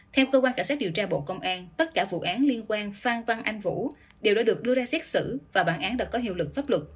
theo cơ quan cảnh sát điều tra bộ công an tất cả vụ án liên quan phan văn anh vũ đều đã được đưa ra xét xử và bản án đã có hiệu lực pháp luật